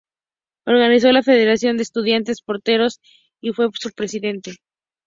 Organizó la federación de estudiantes porteños y fue su presidente.